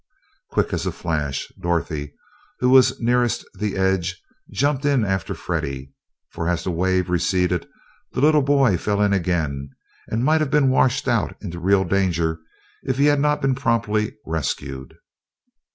Quick as a flash Dorothy, who was nearest the edge, jumped in after Freddie, for as the wave receded the little boy fell in again, and might have been washed out into real danger if he had not been promptly rescued.